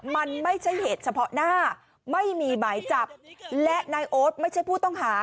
มันไม่ใช่เหตุเฉพาะหน้าไม่มีหมายจับและนายโอ๊ตไม่ใช่ผู้ต้องหา